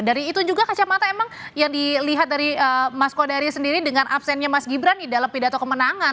dari itu juga kacamata emang yang dilihat dari mas kodari sendiri dengan absennya mas gibran di dalam pidato kemenangan